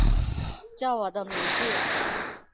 叫我的名字